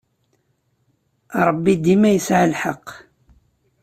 Ṛebbi dima yesɛa lḥeqq.